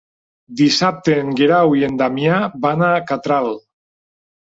Dissabte en Guerau i en Damià van a Catral.